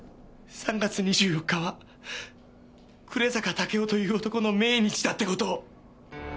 ３月２４日は暮坂武雄という男の命日だって事を。